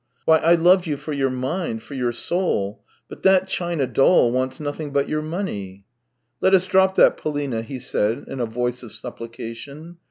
Why, I loved you for your mind, for your soul, but that china doll wants nothing but your money !"" Let us drop that, Polina," he said in a voice of supplication.